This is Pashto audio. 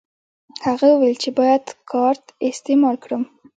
هغه وویل چې باید کارت استعمال کړم.